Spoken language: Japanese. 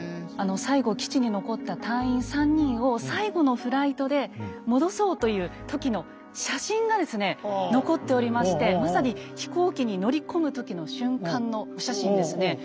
最後基地に残った隊員３人を最後のフライトで戻そうという時の写真がですね残っておりましてまさに飛行機に乗り込む時の瞬間のお写真ですね。